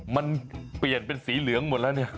มันเปลี่ยนเป็นสีเหลืองหมดแล้วเนี่ย